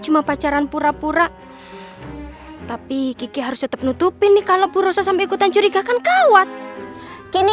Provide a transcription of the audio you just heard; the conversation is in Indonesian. cuma pacaran pura pura tapi harus tetep nutupin nih kalau purosa sama ikutan curiga kan kawat kiri